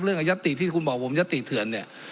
เรื่องยตติที่คุณบอกผมยตติเถื่อนเนี่ย